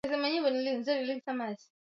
Amesomea kozi ya ushonaji nguo